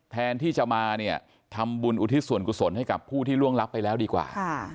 แทนที่จะมาเนี่ยทำบุญอุทิศส่วนกุศลให้กับผู้ที่ล่วงรับไปแล้วดีกว่า